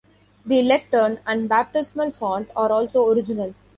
The lectern and baptismal font are also original.